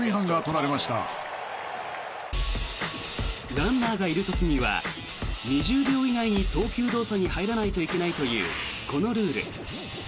ランナーがいる時には２０秒以内に投球動作に入らないといけないというこのルール。